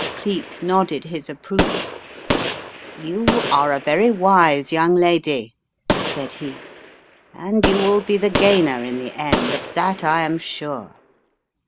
Cleek nodded his approval. "You are a very wise young lady," said he, "and you will be the gainer in the end; of that I am sure.